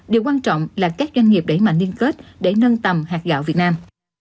điều quan trọng là các doanh nghiệp đẩy mạnh liên kết để nâng tầm hạt gạo việt nam